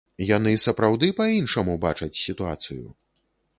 Яны сапраўды па-іншаму бачаць сітуацыю?